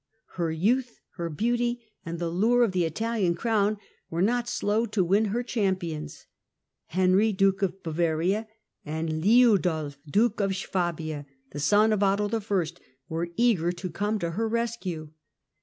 Her youth, her beauty, and the lure of the Italian crown were not slow to win her champions. Henry, Duke of Bavaria, and Liudolf, Duke of Swabia, the son of Otto I., were eager to come to her rescue.